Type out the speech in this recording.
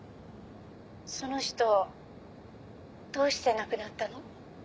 その人どうして亡くなったの？